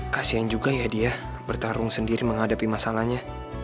kasian juga ya dia bertarung sendiri menghadapi masalahnya